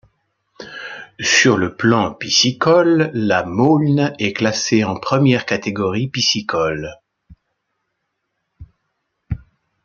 Sur le plan piscicole, la Maulne est classée en première catégorie piscicole.